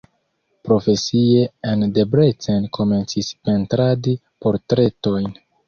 Profesie en Debrecen komencis pentradi portretojn.